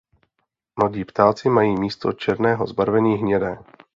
Mladí ptáci mají místo černého zbarvení hnědé.